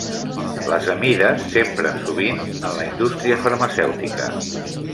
Les amides s'empren sovint en la indústria farmacèutica.